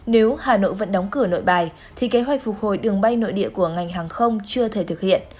nếu hà nội vẫn đóng cửa nội bài thì kế hoạch phục hồi đường bay nội địa của ngành hàng không chưa thể thực hiện